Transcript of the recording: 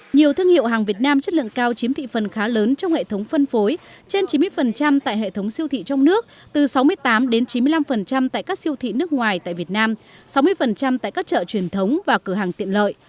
nhiều thương hiệu hàng việt nam chất lượng cao chiếm thị phần khá lớn trong hệ thống phân phối trên chín mươi tại hệ thống siêu thị trong nước từ sáu mươi tám đến chín mươi năm tại các siêu thị nước ngoài tại việt nam sáu mươi tại các chợ truyền thống và cửa hàng tiện lợi